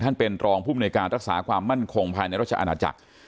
เป็นรองภูมิในการรักษาความมั่นคงภายในราชอาณาจักร